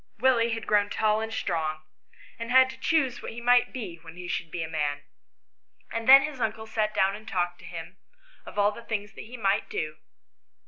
Willie had grown tall and strong, and had to choose what he would be when he should be a man ; and then his uncle sat down and talked to him of all the things that he might do.